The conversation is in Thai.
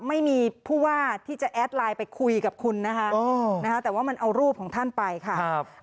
ไม่มีผู้ว่าที่จะแอดไลน์ไปคุยกับคุณนะคะแต่ว่ามันเอารูปของท่านไปค่ะ